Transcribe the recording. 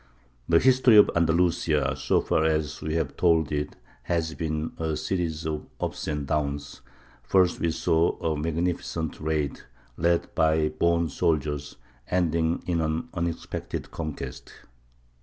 The history of Andalusia, so far as we have told it, has been a series of ups and downs. First we saw a magnificent raid, led by born soldiers, ending in an unexpected conquest.